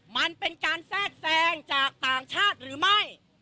มันเป็นการแทรกแทรงจากต่างชาติหรือไม่